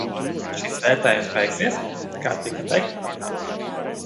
Šis vērtējums beigsies, kā tika teikts, martā.